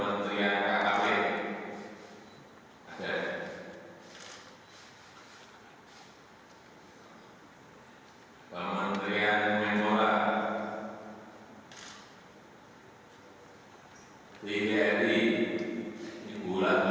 yang gula gula diselamatkan tahu kalau akan berapa